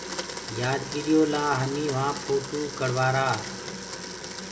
يآدگِريو لآ همي وهآنٚ ڪا ڦوٽو ڪڙوآرآ۔